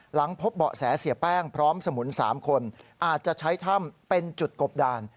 หลังพบเบาะแสเสียแป้งพร้อมสมุน๓คนอาจจะใช้ถ้ำเป็นจุดกบดาน